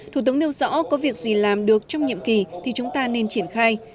thủ tướng nêu rõ có việc gì làm được trong nhiệm kỳ thì chúng ta nên triển khai